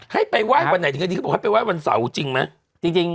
ให้ไปไหว้วันไหนจริงก็บอกว่าไปไหว้วันเสาร์จริงมั้ย